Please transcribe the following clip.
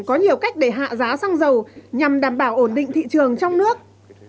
có nhiều cách để hạ giá xăng dầu nhằm đảm bảo ổn định thị trường trong nước